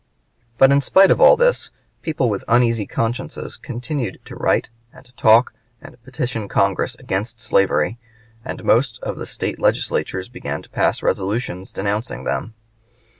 But in spite of all this, people with uneasy consciences continued to write and talk and petition Congress against slavery, and most of the State legislatures began to pass resolutions denouncing them.